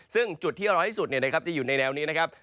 ซึ่งจุดที่ร้อนที่สุดเนี่ยนะครับจะอยู่ในแนวนี้นะครับ